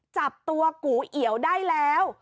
จับตัวกูเอียวได้แล้ว